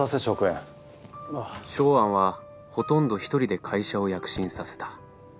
ショウアンはほとんど一人で会社を躍進させた。